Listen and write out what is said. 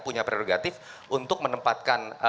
punya prerogatif untuk menempatkan